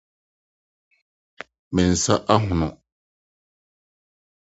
Me nsa ahono